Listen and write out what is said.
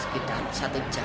sekitar satu jam